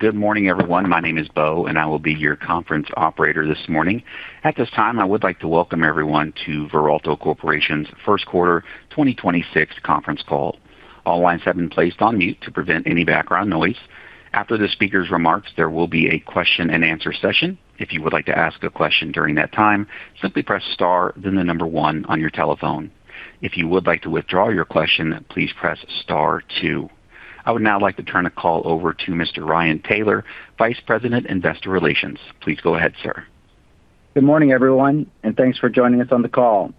Good morning, everyone. My name is Beau, and I will be your conference operator this morning. At this time, I would like to welcome everyone to Veralto Corporation's first quarter 2026 conference call. All lines have been placed on mute to prevent any background noise. After the speaker's remarks, there will be a question-and-answer session. If you would like to ask a question during that time, simply press star then one on your telephone. If you would like to withdraw your question, please press star two. I would now like to turn the call over to Mr. Ryan Taylor, Vice President, Investor Relations. Please go ahead, sir. Good morning, everyone, and thanks for joining us on the call.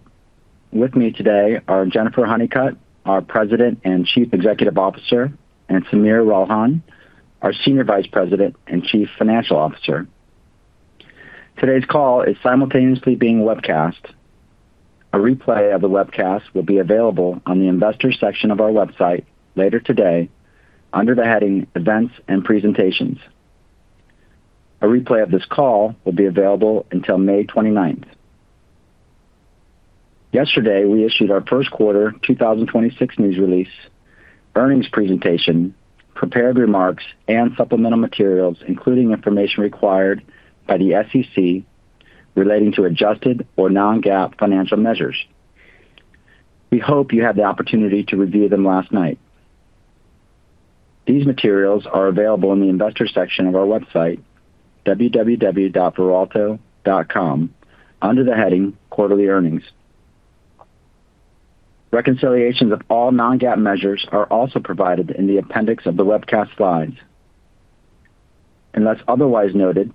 With me today are Jennifer Honeycutt, our President and Chief Executive Officer, and Sameer Ralhan, our Senior Vice President and Chief Financial Officer. Today's call is simultaneously being webcast. A replay of the webcast will be available on the Investors section of our website later today under the heading Events and Presentations. A replay of this call will be available until May 29th. Yesterday, we issued our first quarter 2026 news release, earnings presentation, prepared remarks, and supplemental materials, including information required by the SEC relating to adjusted or non-GAAP financial measures. We hope you had the opportunity to review them last night. These materials are available in the Investors section of our website, www.veralto.com, under the heading Quarterly Earnings. Reconciliations of all non-GAAP measures are also provided in the appendix of the webcast slides. Unless otherwise noted,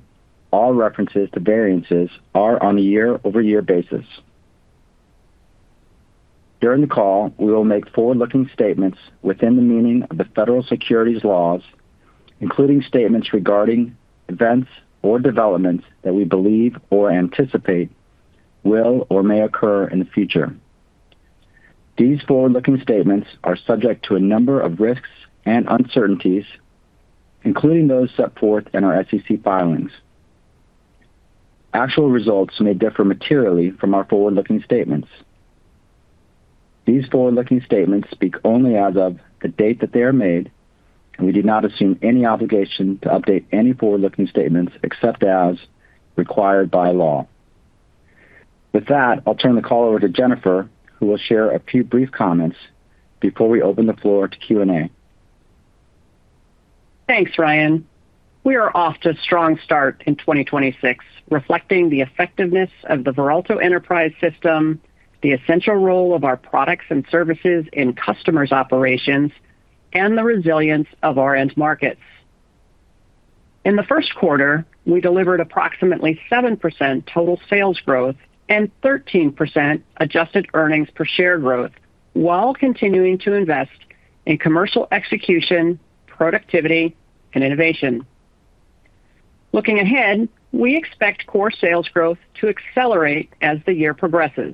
all references to variances are on a year-over-year basis. During the call, we will make forward-looking statements within the meaning of the federal securities laws, including statements regarding events or developments that we believe or anticipate will or may occur in the future. These forward-looking statements are subject to a number of risks and uncertainties, including those set forth in our SEC filings. Actual results may differ materially from our forward-looking statements. These forward-looking statements speak only as of the date that they are made, and we do not assume any obligation to update any forward-looking statements except as required by law. With that, I'll turn the call over to Jennifer, who will share a few brief comments before we open the floor to Q&A. Thanks, Ryan. We are off to a strong start in 2026, reflecting the effectiveness of the Veralto Enterprise System, the essential role of our products and services in customers' operations, and the resilience of our end markets. In the first quarter, we delivered approximately 7% total sales growth and 13% adjusted earnings per share growth while continuing to invest in commercial execution, productivity, and innovation. Looking ahead, we expect core sales growth to accelerate as the year progresses.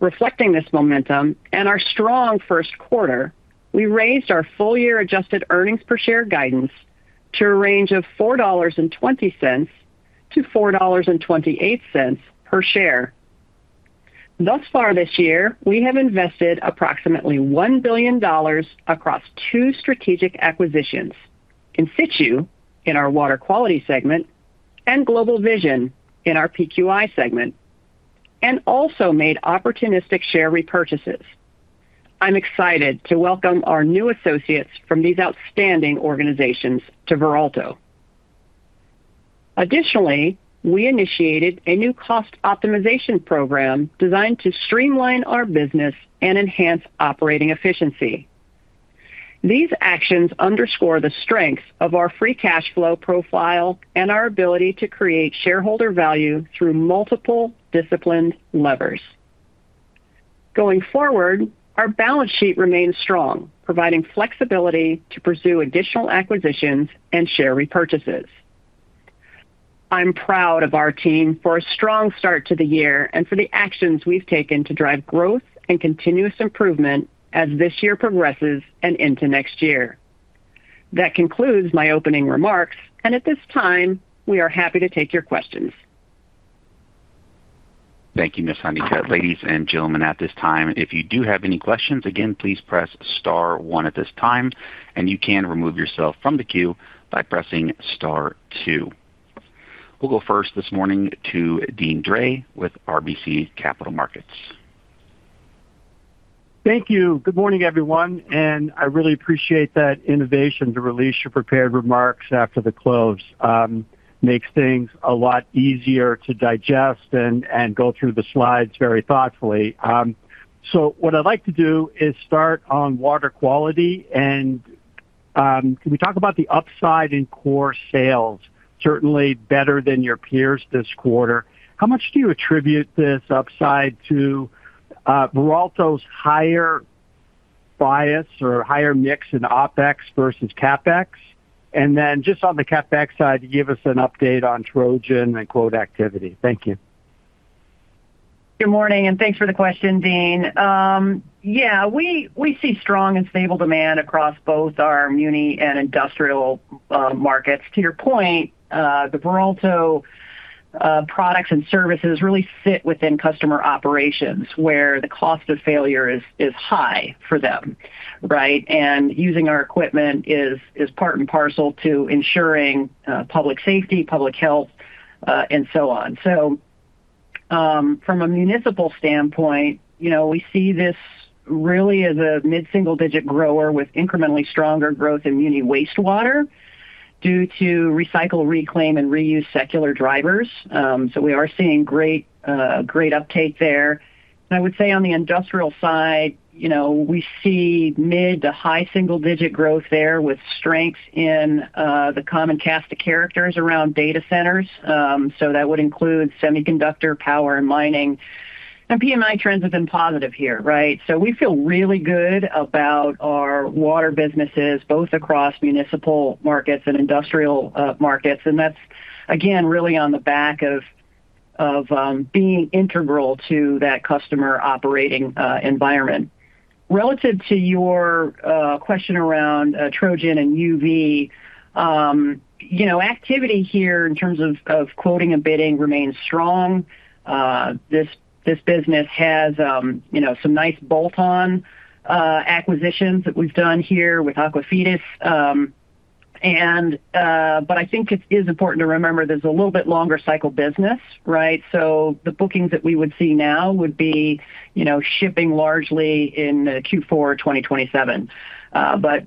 Reflecting this momentum and our strong first quarter, we raised our full year adjusted earnings per share guidance to a range of $4.20-$4.28 per share. Thus far this year, we have invested approximately $1 billion across two strategic acquisitions, In-Situ in our water quality segment and GlobalVision in our PQI segment, and also made opportunistic share repurchases. I'm excited to welcome our new associates from these outstanding organizations to Veralto. Additionally, we initiated a new cost optimization program designed to streamline our business and enhance operating efficiency. These actions underscore the strength of our free cash flow profile and our ability to create shareholder value through multiple disciplined levers. Going forward, our balance sheet remains strong, providing flexibility to pursue additional acquisitions and share repurchases. I'm proud of our team for a strong start to the year and for the actions we've taken to drive growth and continuous improvement as this year progresses and into next year. That concludes my opening remarks, and at this time, we are happy to take your questions. Thank you, Ms. Honeycutt. Ladies and gentlemen at this time if you do have any questions again please press star one at this time and you can remove yourself from the queue by pressing star two. We'll go first this morning to Deane Dray with RBC Capital Markets. Thank you. Good morning, everyone, and I really appreciate that innovation to release your prepared remarks after the close. Makes things a lot easier to digest and go through the slides very thoughtfully. What I'd like to do is start on water quality and can we talk about the upside in core sales, certainly better than your peers this quarter. How much do you attribute this upside to Veralto's higher bias or higher mix in OpEx versus CapEx? Just on the CapEx side, give us an update on Trojan and quote activity. Thank you. Good morning, thanks for the question, Deane. Yeah, we see strong and stable demand across both our muni and industrial markets. To your point, the Veralto products and services really sit within customer operations, where the cost of failure is high for them, right? Using our equipment is part and parcel to ensuring public safety, public health, and so on. From a municipal standpoint, you know, we see this really as a mid-single-digit grower with incrementally stronger growth in muni wastewater due to recycle, reclaim, and reuse secular drivers. We are seeing great uptake there. I would say on the industrial side, you know, we see mid-to-high single-digit growth there with strength in the common cast of characters around data centers. That would include semiconductor, power and mining. PMI trends have been positive here, right? We feel really good about our water businesses, both across municipal markets and industrial markets. That's, again, really on the back of being integral to that customer operating environment. Relative to your question around Trojan and UV, you know, activity here in terms of quoting and bidding remains strong. This business has, you know, some nice bolt-on acquisitions that we've done here with AQUAFIDES. I think it is important to remember there's a little bit longer cycle business, right? The bookings that we would see now would be, you know, shipping largely in Q4 2027.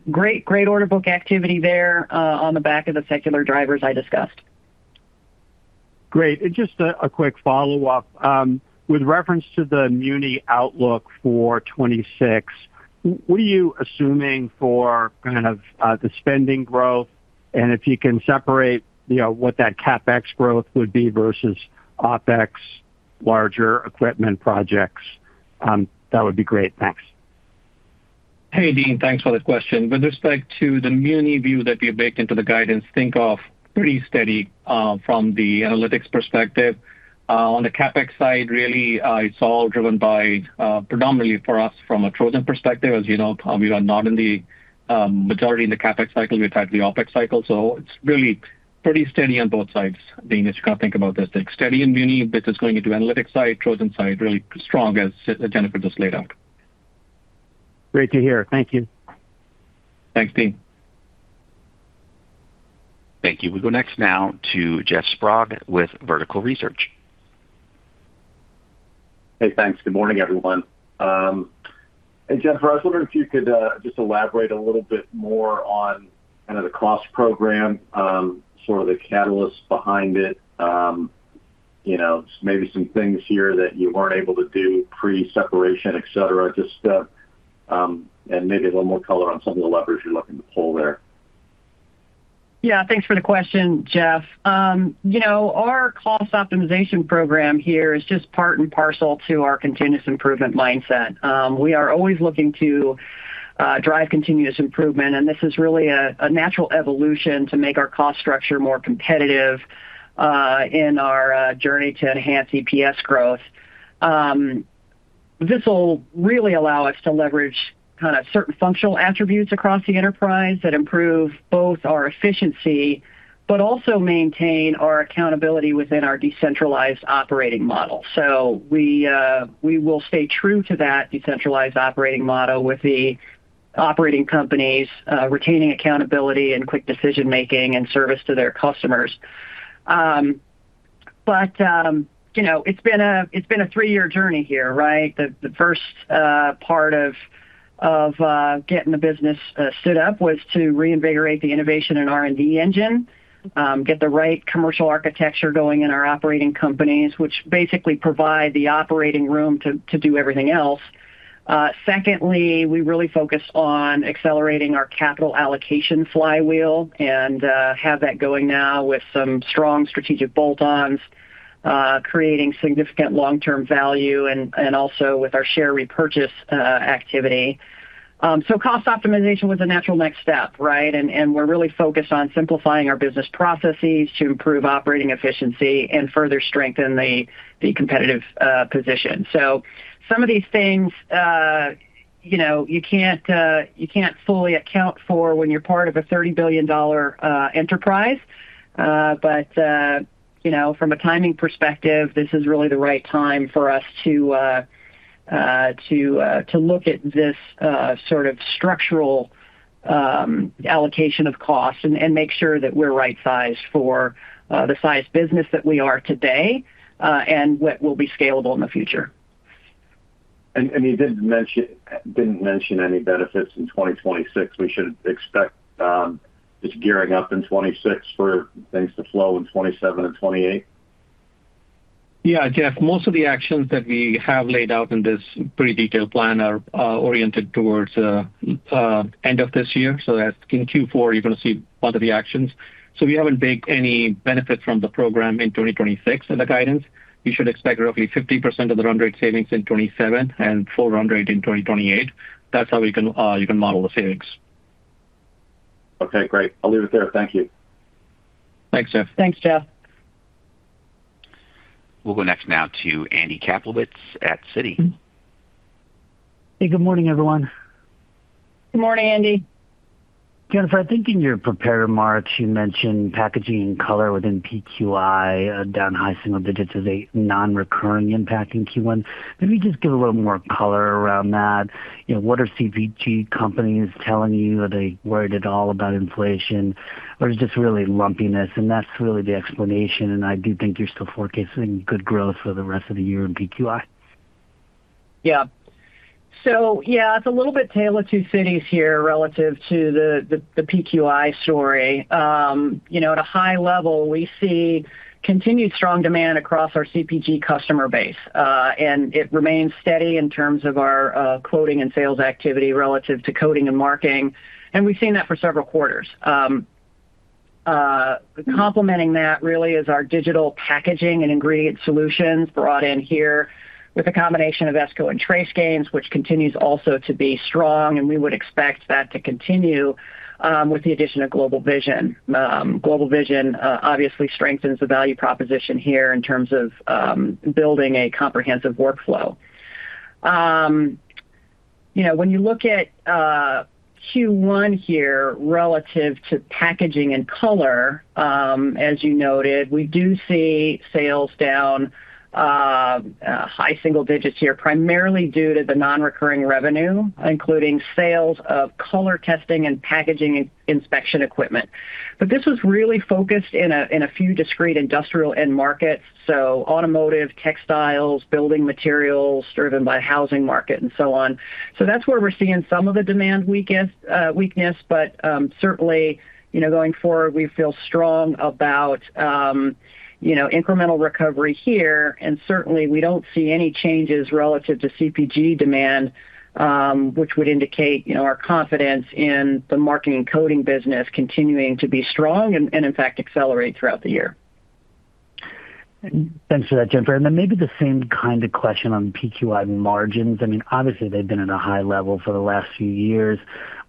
Great order book activity there on the back of the secular drivers I discussed. Great. Just a quick follow-up. With reference to the muni outlook for 2026, what are you assuming for kind of the spending growth? If you can separate, you know, what that CapEx growth would be versus OpEx larger equipment projects, that would be great. Thanks. Hey, Deane. Thanks for the question. With respect to the muni view that we have baked into the guidance, think of pretty steady from the analytics perspective. On the CapEx side, really, it's all driven by predominantly for us from a Trojan perspective. As you know, we are not in the majority in the CapEx cycle. We're tied to the OpEx cycle. It's really pretty steady on both sides, Deane, as you kind of think about this. Like, steady in muni business going into analytics side, Trojan side really strong as Jennifer just laid out. Great to hear. Thank you. Thanks, Deane. Thank you. We go next now to Jeff Sprague with Vertical Research. Hey, thanks. Good morning, everyone. Jennifer, I was wondering if you could just elaborate a little bit more on kind of the cost program, sort of the catalyst behind it. You know, maybe some things here that you weren't able to do pre-separation, et cetera. Just maybe a little more color on some of the levers you're looking to pull there. Thanks for the question, Jeff. You know, our cost optimization program here is just part and parcel to our continuous improvement mindset. We are always looking to drive continuous improvement, and this is really a natural evolution to make our cost structure more competitive in our journey to enhance EPS growth. This will really allow us to leverage kind of certain functional attributes across the enterprise that improve both our efficiency but also maintain our accountability within our decentralized operating model. We will stay true to that decentralized operating model with the operating companies retaining accountability and quick decision-making and service to their customers. You know, it's been a three-year journey here, right? The first part of getting the business stood up was to reinvigorate the innovation and R&D engine, get the right commercial architecture going in our operating companies, which basically provide the operating room to do everything else. Secondly, we really focus on accelerating our capital allocation flywheel and have that going now with some strong strategic bolt-ons, creating significant long-term value and also with our share repurchase activity. Cost optimization was a natural next step, right? We're really focused on simplifying our business processes to improve operating efficiency and further strengthen the competitive position. Some of these things, you know, you can't fully account for when you're part of a $30 billion enterprise. You know, from a timing perspective, this is really the right time for us to look at this sort of structural allocation of costs and make sure that we're right-sized for the size business that we are today and what will be scalable in the future. You didn't mention any benefits in 2026. We should expect this gearing up in 2026 for things to flow in 2027 and 2028? Yeah, Jeff. Most of the actions that we have laid out in this pretty detailed plan are oriented towards end of this year. That's in Q4, you're gonna see a lot of the actions. We haven't baked any benefit from the program in 2026 in the guidance. You should expect roughly 50% of the run rate savings in 2027 and full run rate in 2028. That's how we can, you can model the savings. Okay, great. I'll leave it there. Thank you. Thanks, Jeff. Thanks, Jeff. We'll go next now to Andy Kaplowitz at Citi. Hey, good morning, everyone. Good morning, Andy. Jennifer, I think in your prepared remarks, you mentioned packaging color within PQI, down high single digits as a non-recurring impact in Q1. Maybe just give a little more color around that. You know, what are CPG companies telling you? Are they worried at all about inflation or is this really lumpiness? That's really the explanation, and I do think you're still forecasting good growth for the rest of the year in PQI. It's a little bit tale of two cities here relative to the PQI story. You know, at a high level we see continued strong demand across our CPG customer base. It remains steady in terms of our quoting and sales activity relative to coding and marking, and we've seen that for several quarters. Complementing that really is our digital packaging and ingredient solutions brought in here with a combination of Esko and TraceGains, which continues also to be strong, and we would expect that to continue with the addition of GlobalVision. GlobalVision obviously strengthens the value proposition here in terms of building a comprehensive workflow. You know, when you look at Q1 here relative to packaging and color, as you noted, we do see sales down high single digits here, primarily due to the non-recurring revenue, including sales of color testing and packaging inspection equipment. This was really focused in a few discrete industrial end markets, so automotive, textiles, building materials driven by housing market and so on. That's where we're seeing some of the demand weakness, but certainly, you know, going forward we feel strong about, you know, incremental recovery here. Certainly we don't see any changes relative to CPG demand, which would indicate, you know, our confidence in the marketing and coding business continuing to be strong and in fact accelerate throughout the year. Thanks for that, Jennifer. Then maybe the same kind of question on PQI margins. I mean, obviously they've been at a high level for the last few years,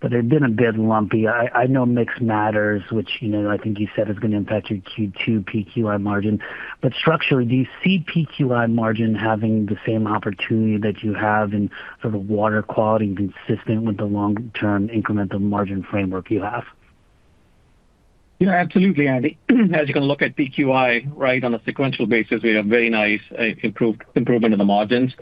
but they've been a bit lumpy. I know mix matters, which, you know, I think you said is gonna impact your Q2 PQI margin. Structurally, do you see PQI margin having the same opportunity that you have in sort of water quality and consistent with the long-term incremental margin framework you have? Yeah, absolutely, Andy. As you can look at PQI, right, on a sequential basis, we have very nice improvement in the margins.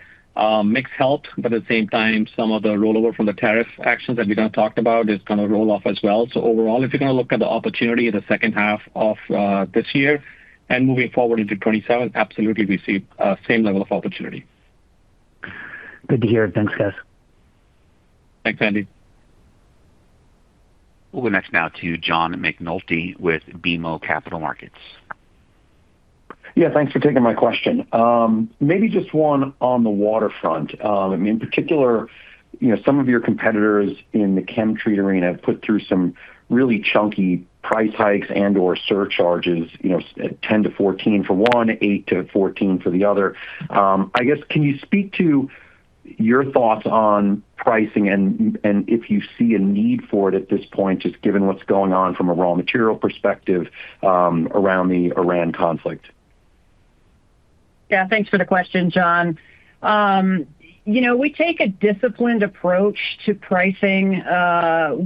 mix health, but at the same time, some of the rollover from the tariff actions that we kind of talked about is gonna roll off as well. Overall, if you're gonna look at the opportunity in the H2 of this year and moving forward into 2027, absolutely we see same level of opportunity. Good to hear. Thanks, guys. Thanks, Andy. We'll go next now to John McNulty with BMO Capital Markets. Yeah, thanks for taking my question. Maybe just one on the waterfront. I mean, in particular, you know, some of your competitors in the ChemTreat arena have put through some really chunky price hikes and/or surcharges, you know, 10%-14% for one, 8%-14% for the other. I guess, can you speak to your thoughts on pricing and if you see a need for it at this point, just given what's going on from a raw material perspective, around the Iran conflict? Yeah, thanks for the question, John. You know, we take a disciplined approach to pricing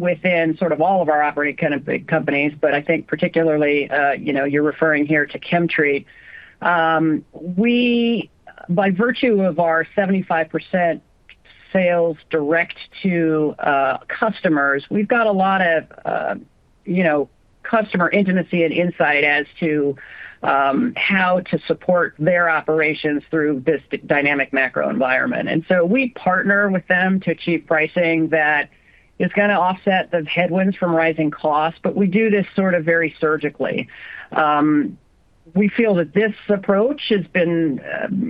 within sort of all of our operating kind of big companies, but I think particularly, you know, you're referring here to ChemTreat. We, by virtue of our 75% sales direct to customers, we've got a lot of, you know, customer intimacy and insight as to how to support their operations through this dynamic macro environment. We partner with them to achieve pricing that is gonna offset the headwinds from rising costs, but we do this sort of very surgically. We feel that this approach has been,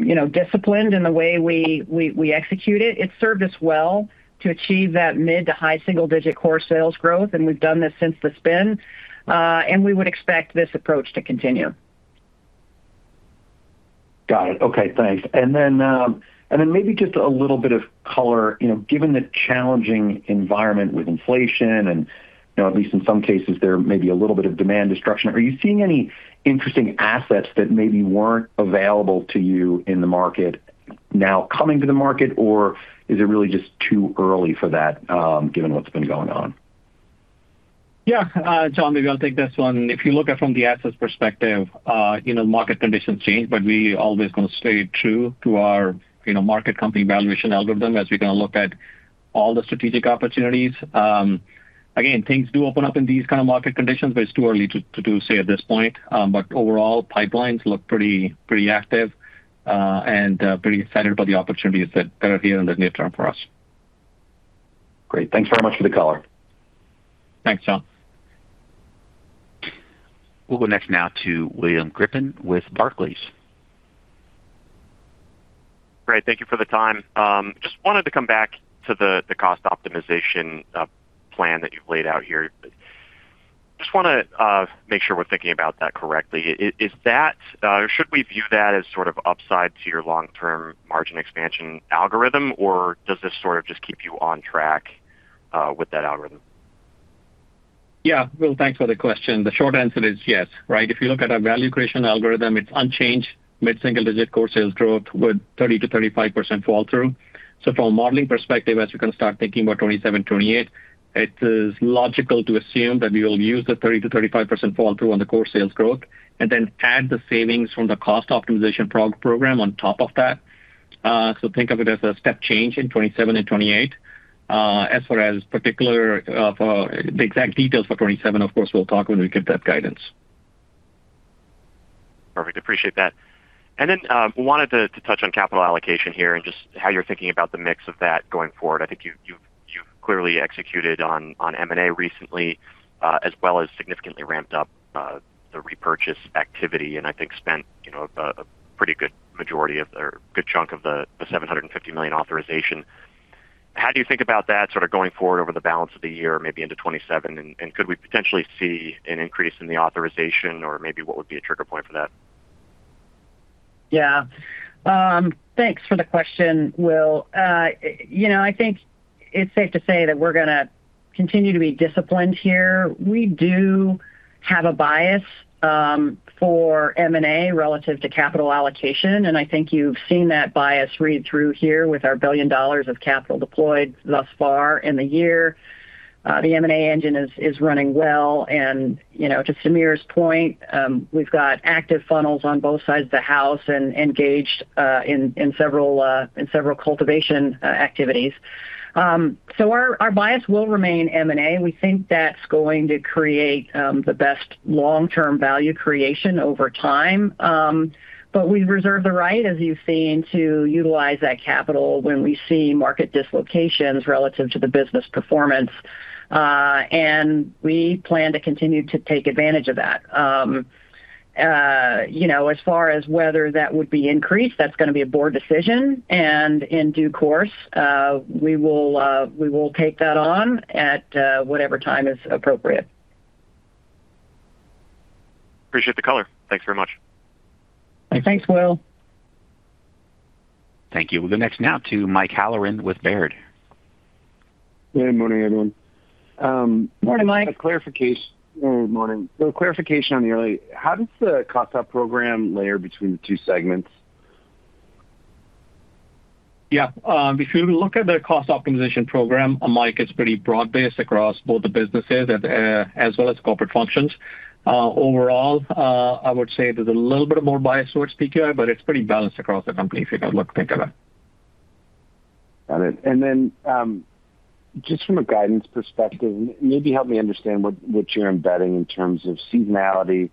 you know, disciplined in the way we execute it. It served us well to achieve that mid to high single-digit core sales growth. We've done this since the spin. We would expect this approach to continue. Got it. Okay, thanks. Then, maybe just a little bit of color. You know, given the challenging environment with inflation and, you know, at least in some cases there may be a little bit of demand destruction, are you seeing any interesting assets that maybe weren't available to you in the market now coming to the market, or is it really just too early for that, given what's been going on? Yeah. John, maybe I'll take this one. If you look at from the assets perspective, you know, market conditions change, but we always gonna stay true to our, you know, market company valuation algorithm as we kind of look at all the strategic opportunities. Again, things do open up in these kind of market conditions, but it's too early to say at this point. Overall pipelines look pretty active, and pretty excited about the opportunities that are here in the near term for us. Great. Thanks very much for the color. Thanks, John. We'll go next now to William Griffin with Barclays. Great. Thank you for the time. Just wanted to come back to the cost optimization plan that you've laid out here. Just wanna make sure we're thinking about that correctly. Is that should we view that as sort of upside to your long-term margin expansion algorithm, or does this sort of just keep you on track with that algorithm? Yeah. Will, thanks for the question. The short answer is yes, right? If you look at our value creation algorithm, it's unchanged, mid-single digit core sales growth with 30%-35% fall-through. From a modeling perspective, as we kind of start thinking about 2027, 2028, it is logical to assume that we will use the 30%-35% fall-through on the core sales growth and then add the savings from the cost optimization program on top of that. Think of it as a step change in 2027 and 2028. As far as particular, for the exact details for 2027, of course, we'll talk when we give that guidance. Perfect. Appreciate that. Then wanted to touch on capital allocation here and just how you're thinking about the mix of that going forward. I think you've clearly executed on M&A recently, as well as significantly ramped up the repurchase activity and I think spent, you know, a pretty good majority of or a good chunk of the $750 million authorization. How do you think about that sort of going forward over the balance of the year, maybe into 2027? Could we potentially see an increase in the authorization or maybe what would be a trigger point for that? Yeah. Thanks for the question, Will. You know, I think it's safe to say that we're gonna continue to be disciplined here. We do have a bias for M&A relative to capital allocation, and I think you've seen that bias read through here with our $1 billion of capital deployed thus far in the year. The M&A engine is running well and, you know, to Sameer's point, we've got active funnels on both sides of the house and engaged in several cultivation activities. Our bias will remain M&A. We think that's going to create the best long-term value creation over time. We reserve the right, as you've seen, to utilize that capital when we see market dislocations relative to the business performance. We plan to continue to take advantage of that. You know, as far as whether that would be increased, that's gonna be a board decision and in due course, we will take that on at whatever time is appropriate. Appreciate the color. Thanks very much. Thanks, Will. Thank you. We'll go next now to Mike Halloran with Baird. Good morning, everyone. Morning, Mike. A clarification. Good morning. A clarification on the early. How does the OpEx program layer between the two segments? If you look at the cost optimization program, Mike, it's pretty broad-based across both the businesses and, as well as corporate functions. Overall, I would say there's a little bit more bias towards PQI, but it's pretty balanced across the company if you look particularly. Got it. Just from a guidance perspective, maybe help me understand what you're embedding in terms of seasonality,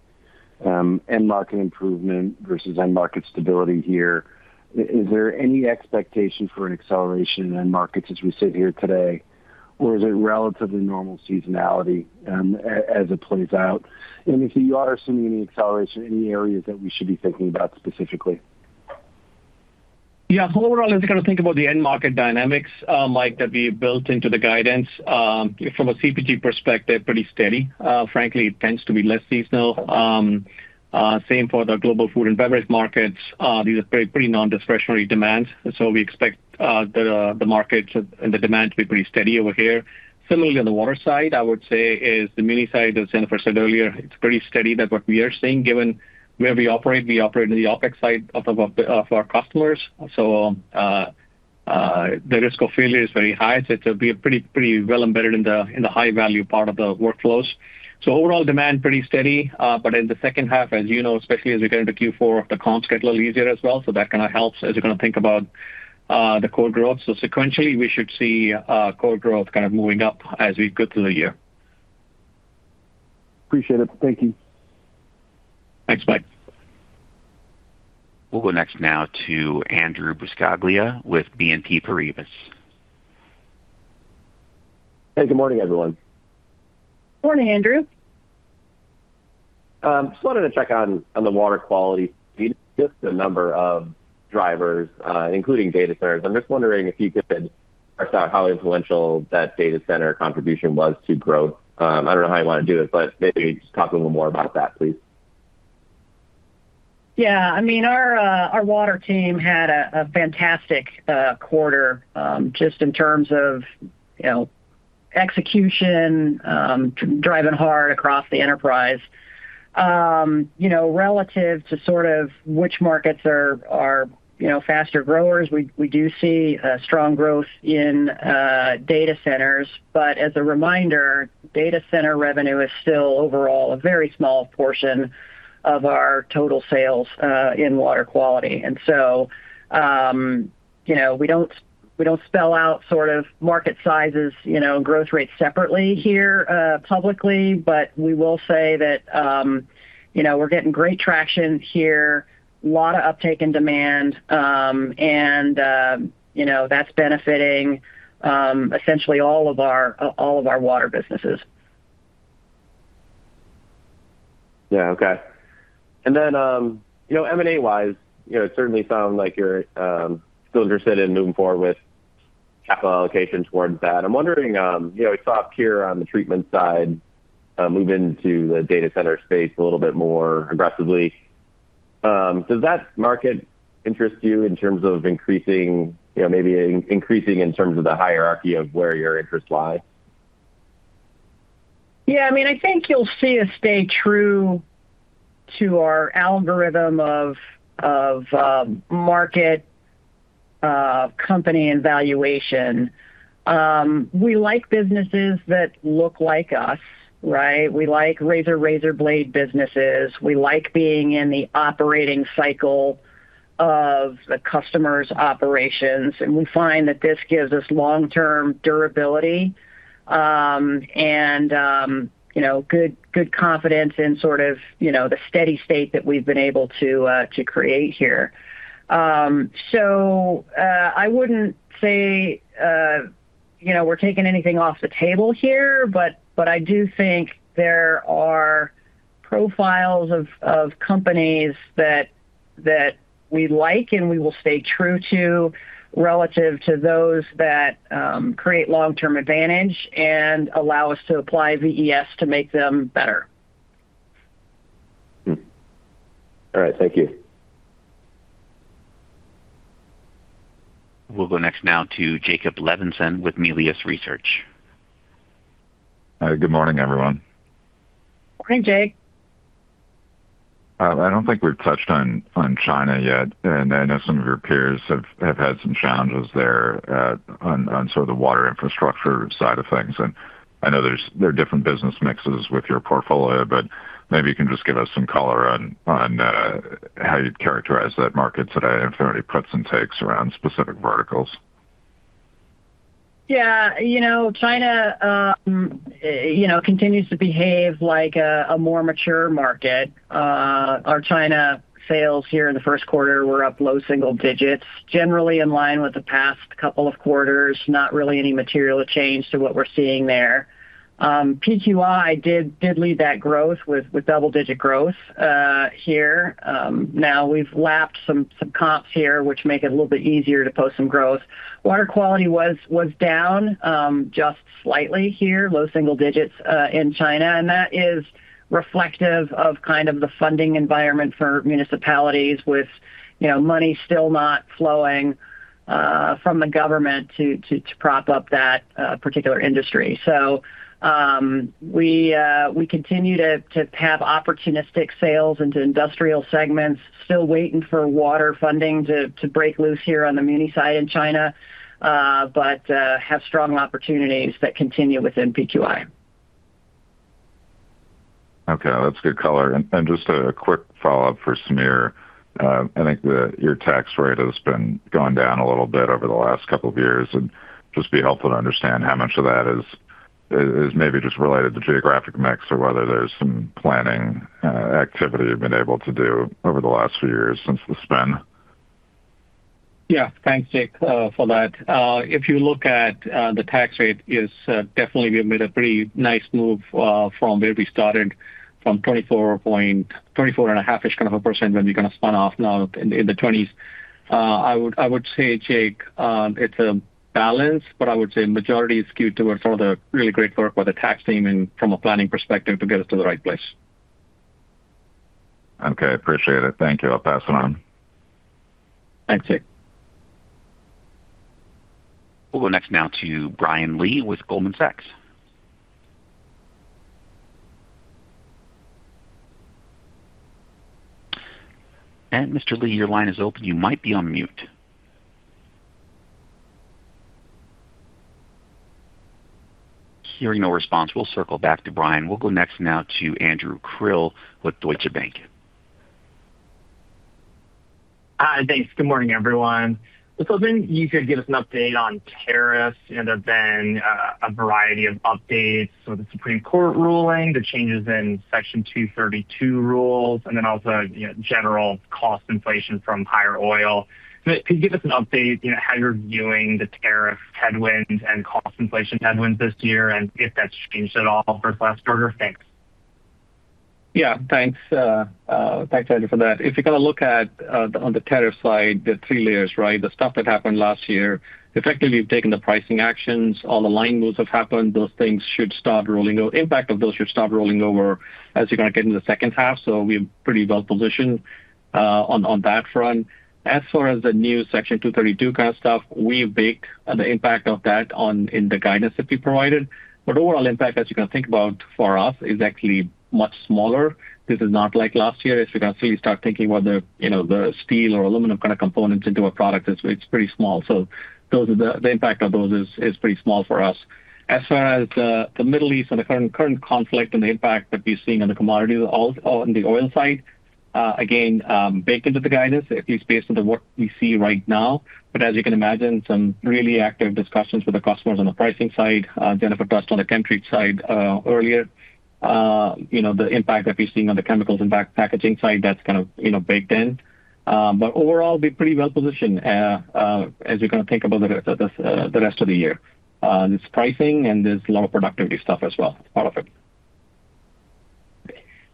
end market improvement versus end market stability here. Is there any expectation for an acceleration in end markets as we sit here today? Or is it relatively normal seasonality as it plays out? If you are assuming any acceleration, any areas that we should be thinking about specifically? Yeah. Overall, as we kind of think about the end market dynamics, Mike, that we built into the guidance, from a CPG perspective, pretty steady. Frankly, it tends to be less seasonal. Same for the global food and beverage markets. These are pretty non-discretionary demands, we expect the markets and the demand to be pretty steady over here. Similarly, on the water side, I would say is the mini side, as Jennifer said earlier, it's pretty steady that what we are seeing given where we operate. We operate in the OpEx side of our customers. The risk of failure is very high, so it'll be a pretty well embedded in the high value part of the workflows. Overall demand, pretty steady. In the H2, as you know, especially as we get into Q4, the comps get a little easier as well, so that kind of helps as you kind of think about the core growth. Sequentially, we should see core growth kind of moving up as we go through the year. Appreciate it. Thank you. Thanks, Mike. We'll go next now to Andrew Buscaglia with BNP Paribas. Hey, good morning, everyone. Morning, Andrew. Just wanted to check on the water quality. Just the number of drivers, including data centers. I'm just wondering if you could parse out how influential that data center contribution was to growth. I don't know how you wanna do it, but maybe just talk a little more about that, please. Yeah. I mean, our Water Quality team had a fantastic quarter, just in terms of, you know, execution, driving hard across the enterprise. You know, relative to sort of which markets are, you know, faster growers, we do see strong growth in data centers. As a reminder, data center revenue is still overall a very small portion of our total sales in Water Quality. You know, we don't spell out sort of market sizes, you know, growth rates separately here publicly, but we will say that, you know, we're getting great traction here, lot of uptake and demand, and, you know, that's benefiting essentially all of our water businesses. Yeah. Okay. You know, M&A wise, you know, it certainly sounds like you're still interested in moving forward with capital allocation towards that. I'm wondering, you know, we saw Pure on the treatment side move into the data center space a little bit more aggressively. Does that market interest you in terms of increasing, you know, maybe increasing in terms of the hierarchy of where your interests lie? Yeah. I mean, I think you'll see us stay true to our algorithm of market, company and valuation. We like businesses that look like us, right? We like razor blade businesses. We like being in the operating cycle of the customer's operations, and we find that this gives us long-term durability, and you know, good confidence in sort of, you know, the steady state that we've been able to create here. I wouldn't say, you know, we're taking anything off the table here, but I do think there are profiles of companies that we like and we will stay true to relative to those that create long-term advantage and allow us to apply VES to make them better. All right. Thank you. We'll go next now to Jacob Levinson with Melius Research. Good morning, everyone. Morning, Jake. I don't think we've touched on China yet, and I know some of your peers have had some challenges there on sort of the water infrastructure side of things. I know there are different business mixes with your portfolio, but maybe you can just give us some color on how you'd characterize that market today if there are any puts and takes around specific verticals. Yeah. You know, China, you know, continues to behave like a more mature market. Our China sales here in the first quarter were up low single digits, generally in line with the past couple of quarters, not really any material change to what we're seeing there. PQI did lead that growth with double digit growth here. Now we've lapped some comps here, which make it a little bit easier to post some growth. Water quality was down just slightly here, low single digits in China, and that is reflective of kind of the funding environment for municipalities with, you know, money still not flowing from the government to prop up that particular industry. We continue to have opportunistic sales into industrial segments. Still waiting for water funding to break loose here on the muni side in China, but have strong opportunities that continue within PQI. Okay. That's good color. Just a quick follow-up for Sameer. I think your tax rate has been gone down a little bit over the last couple of years, and just be helpful to understand how much of that is maybe just related to geographic mix or whether there's some planning activity you've been able to do over the last few years since the spin. Yeah. Thanks, Jacob, for that. If you look at the tax rate is definitely we have made a pretty nice move from where we started from 24.5%-ish kind of a percent when we kind of spun off now in the 20s. I would say, Jacob, it's a balance, but I would say majority is skewed towards some of the really great work by the tax team and from a planning perspective to get us to the right place. Okay. Appreciate it. Thank you. I'll pass it on. Thanks, Jake. We'll go next now to Brian Lee with Goldman Sachs. Mr. Lee, your line is open. You might be on mute. Hearing no response, we'll circle back to Brian. We'll go next now to Andrew Krill with Deutsche Bank. Hi. Thanks. Good morning, everyone. I was hoping you could give us an update on tariffs. You know, there's been a variety of updates with the Supreme Court ruling, the changes in Section 232 rules, and then also, you know, general cost inflation from higher oil. Could you give us an update, you know, how you're viewing the tariff headwinds and cost inflation headwinds this year and if that's changed at all versus last quarter? Thanks. Thanks, Andrew, for that. If you kind of look at on the tariff side, the three layers, right? The stuff that happened last year, effectively, we've taken the pricing actions. All the line moves have happened. Those things should start rolling o- impact of those should start rolling over as you kind of get into the H2. We're pretty well positioned on that front. As far as the new Section 232 kind of stuff, we've baked the impact of that in the guidance that we provided. Overall impact, as you can think about for us, is actually much smaller. This is not like last year. If you can actually start thinking whether, you know, the steel or aluminum kind of components into a product, it's pretty small. Those are the impact of those is pretty small for us. As far as the Middle East and the current conflict and the impact that we're seeing on the oil side, again, baked into the guidance, at least based on the work we see right now. As you can imagine, some really active discussions with the customers on the pricing side. Jennifer touched on the country side earlier. You know, the impact that we're seeing on the chemicals and packaging side, that's kind of, you know, baked in. Overall, we're pretty well positioned as we kind of think about the rest of the year. It's pricing, there's a lot of productivity stuff as well, part of it.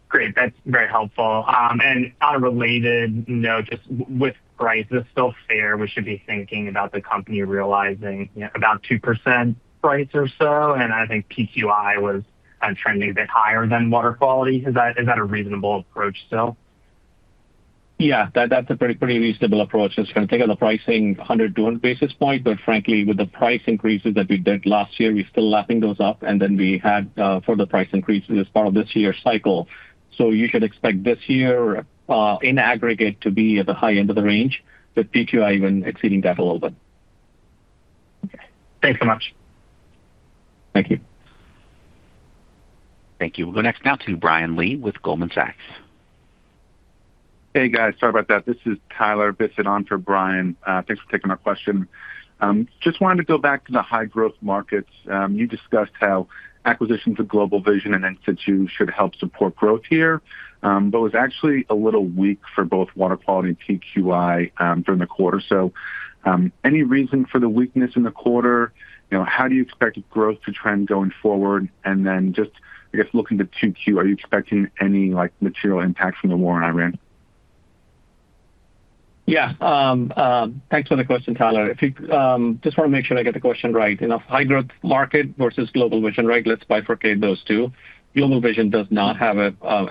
Great. That's very helpful. On a related note, just with prices still fair, we should be thinking about the company realizing, you know, about 2% price or so, I think PQI was kind of trending a bit higher than water quality. Is that a reasonable approach still? Yeah, that's a pretty reasonable approach. Just kind of think of the pricing 100, 200 basis points. Frankly, with the price increases that we did last year, we're still lapping those up, and then we had further price increases as part of this year's cycle. You should expect this year, in aggregate to be at the high end of the range, with PQI even exceeding that a little bit. Okay. Thanks so much. Thank you. Thank you. We'll go next now to Brian Lee with Goldman Sachs. Hey, guys, sorry about that. This is Tyler Bisset on for Brian. Thanks for taking our question. Just wanted to go back to the high growth markets. You discussed how acquisitions of GlobalVision and In-Situ should help support growth here. But it was actually a little weak for both water quality and PQI during the quarter. Any reason for the weakness in the quarter? You know, how do you expect growth to trend going forward? Just, I guess, looking to 2Q, are you expecting any, like, material impact from the war in Iran? Yeah. Thanks for the question, Tyler. If you just wanna make sure I get the question right. You know, high growth market versus GlobalVision, right? Let's bifurcate those two. GlobalVision does not have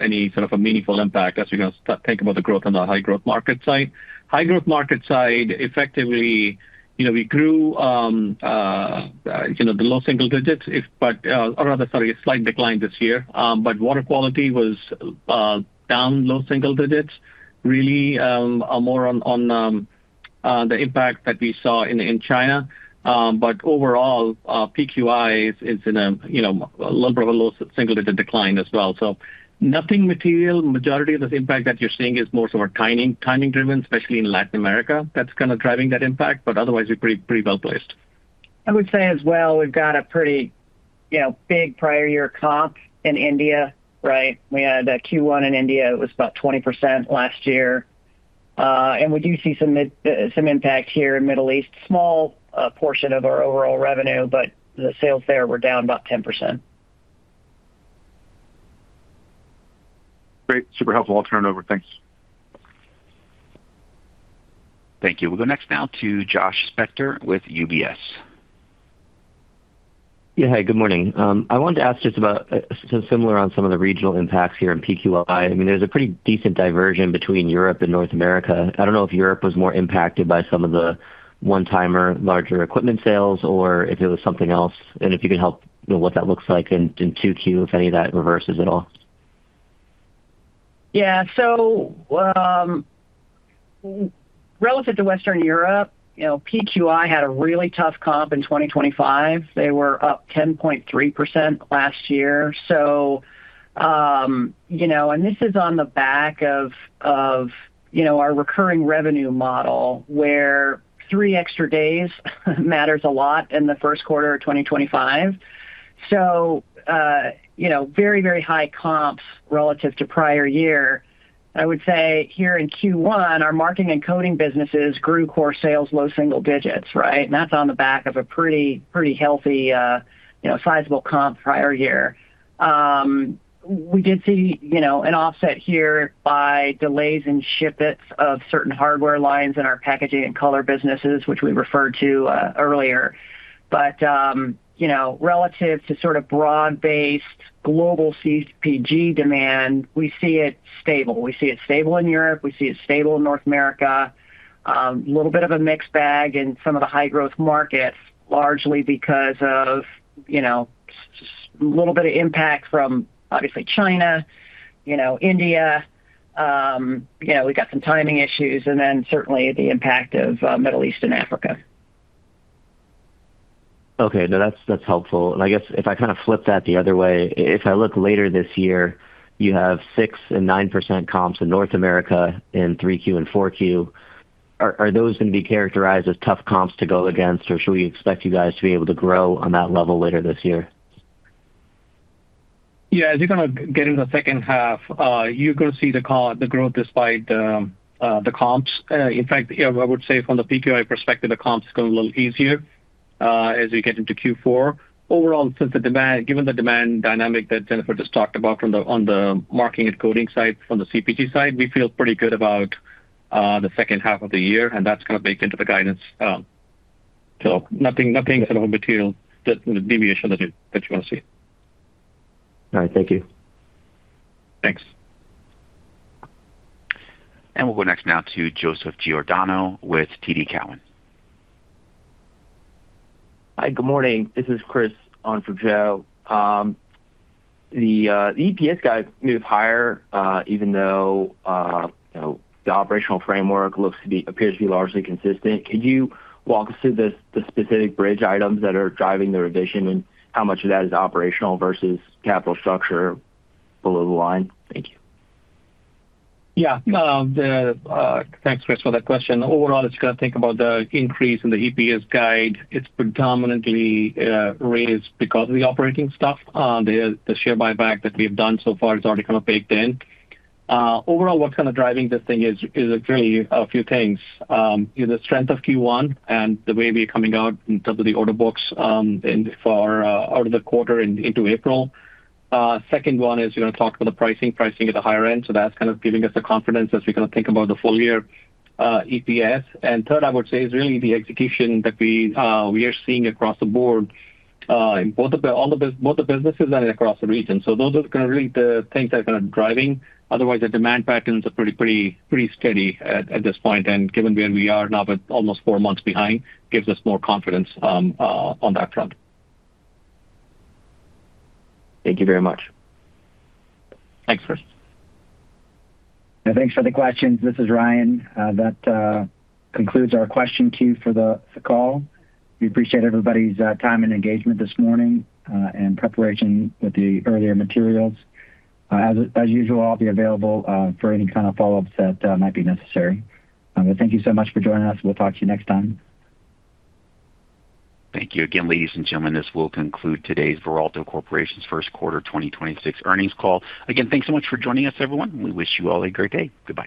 any sort of a meaningful impact as we kind of think about the growth on the high growth market side. High growth market side, effectively, you know, we grew, you know, the low single digits or rather, sorry, a slight decline this year. Water quality was down low single digits, really, more on the impact that we saw in China. Overall, PQI is in a, you know, a little bit of a low single-digit decline as well. Nothing material. Majority of the impact that you're seeing is more sort of timing-driven, especially in Latin America. Otherwise, we're pretty well-placed. I would say as well we've got a pretty, you know, big prior year comp in India, right? We had a Q1 in India, it was about 20% last year. We do see some impact here in Middle East, small portion of our overall revenue, the sales there were down about 10%. Great. Super helpful. I'll turn it over. Thanks. Thank you. We'll go next now to Josh Spector with UBS. Yeah. Hey, good morning. I wanted to ask just about similar on some of the regional impacts here in PQI. I mean, there's a pretty decent diversion between Europe and North America. I don't know if Europe was more impacted by some of the one-timer larger equipment sales or if it was something else. If you could help, you know, what that looks like in 2Q, if any of that reverses at all. Relative to Western Europe, you know, PQI had a really tough comp in 2025. They were up 10.3% last year. You know, and this is on the back of, you know, our recurring revenue model, where three extra days matters a lot in the first quarter of 2025. You know, very, very high comps relative to prior year. I would say here in Q1, our marking and coding businesses grew core sales low single digits, right? That's on the back of a pretty healthy, you know, sizable comp prior year. We did see, you know, an offset here by delays in shipments of certain hardware lines in our packaging and color businesses, which we referred to earlier. You know, relative to sort of broad-based global CPG demand, we see it stable. We see it stable in Europe, we see it stable in North America. Little bit of a mixed bag in some of the high growth markets, largely because of, you know, little bit of impact from, obviously China, you know, India. You know, we've got some timing issues and then certainly the impact of Middle East and Africa. Okay. No, that's helpful. I guess if I kind of flip that the other way, if I look later this year, you have 6% and 9% comps in North America in 3Q and 4Q. Are those gonna be characterized as tough comps to go against, or should we expect you guys to be able to grow on that level later this year? Yeah. As you kind of get into the H2, you're gonna see the growth despite the comps. In fact, yeah, I would say from the PQI perspective, the comps is going a little easier, as we get into Q4. Overall since given the demand dynamic that Jennifer just talked about on the marking and coding side, from the CPG side, we feel pretty good about the H2 of the year, and that's kind of baked into the guidance. Nothing sort of material, the deviation that you wanna see. All right. Thank you. Thanks. We'll go next now to Joseph Giordano with TD Cowen. Hi, good morning. This is Chris on for Joe. The EPS guide moved higher, even though you know, the operational framework appears to be largely consistent. Could you walk us through the specific bridge items that are driving the revision, and how much of that is operational versus capital structure below the line? Thank you. Thanks, Chris, for that question. Overall as you kind of think about the increase in the EPS guide, it's predominantly raised because of the operating stuff. The share buyback that we've done so far is already kind of baked in. Overall, what's kind of driving this thing is really a few things. You know, the strength of Q1 and the way we're coming out in terms of the order books out of the quarter into April. Second one is we're going to talk about the pricing at the higher end, so that's kind of giving us the confidence as we kind of think about the full year EPS. Third, I would say, is really the execution that we are seeing across the board in both the businesses and across the regions. Those are kind of really the things that are kind of driving. Otherwise, the demand patterns are pretty steady at this point. Given where we are now with almost four months behind, gives us more confidence on that front. Thank you very much. Thanks, Chris. Thanks for the questions. This is Ryan. That concludes our question queue for the call. We appreciate everybody's time and engagement this morning and preparation with the earlier materials. As usual, I'll be available for any kind of follow-ups that might be necessary. Thank you so much for joining us. We'll talk to you next time. Thank you again, ladies and gentlemen. This will conclude today's Veralto Corporation's first quarter 2026 earnings call. Again, thanks so much for joining us, everyone. We wish you all a great day. Goodbye.